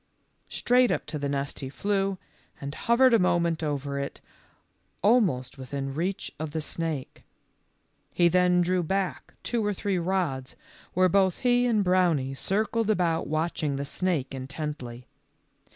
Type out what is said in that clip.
Straight up to the nest he flew, and hovered a moment over it almost within reach of the snake. He then drew back two or three rods, where both he and Brownie circled about watching the snake intently.